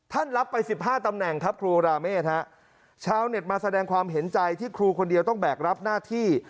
รับไปสิบห้าตำแหน่งครับครูราเมฆฮะชาวเน็ตมาแสดงความเห็นใจที่ครูคนเดียวต้องแบกรับหน้าที่